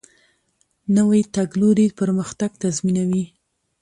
نوی تګلوری پرمختګ تضمینوي